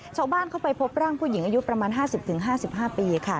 ชาวบ้านเข้าไปพบร่างผู้หญิงอายุประมาณ๕๐๕๕ปีค่ะ